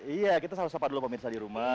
iya kita selalu sapa dulu pemirsa di rumah